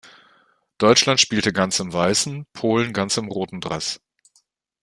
Deutschland spielte ganz in weißem, Polen ganz in rotem Dress.